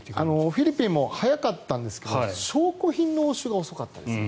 フィリピンも早かったんですが証拠品の押収が遅かったんですね。